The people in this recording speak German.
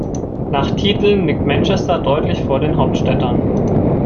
Nach Titeln liegt Manchester deutlich vor den Hauptstädtern.